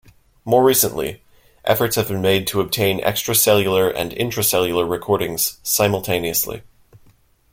More recently, efforts have been made to obtain extracellular and intracellular recordings simultaneously.